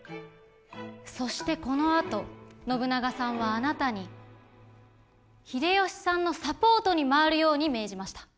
そしてこのあと信長さんはあなたに秀吉さんのサポートに回るように命じました。